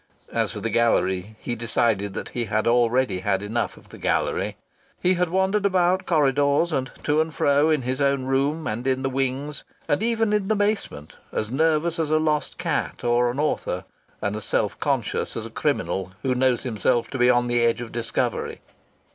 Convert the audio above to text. (As for the gallery, he decided that he had already had enough of the gallery.) He had wandered about corridors, and to and fro in his own room and in the wings, and even in the basement, as nervous as a lost cat or an author, and as self conscious as a criminal who knows himself to be on the edge of discovery.